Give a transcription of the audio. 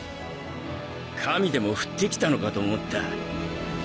神でも降ってきたのかと思った。